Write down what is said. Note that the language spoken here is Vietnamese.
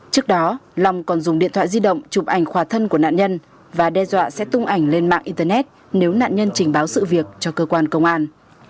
trước đó long còn dùng điện thoại di động chụp ảnh khỏa thân của nạn nhân và đe dọa sẽ tung ảnh lên mạng internet nếu nạn nhân trình báo sự việc cho cơ quan công an